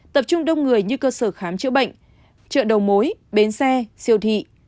tập trung đông người như cơ sở khám chữa bệnh chợ đầu mối bến xe siêu thị